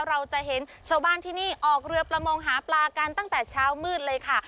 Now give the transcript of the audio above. เราจะเห็นชาวบ้านที่นี่ออกเรือประมงหาปลากันตั้งแต่เช้ามืดเลยค่ะ